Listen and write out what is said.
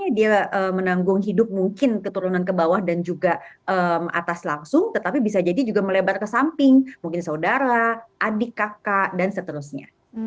dia menanggung hidup mungkin keturunan ke bawah dan juga atas langsung tetapi bisa jadi juga melebar ke samping mungkin saudara adik kakak dan seterusnya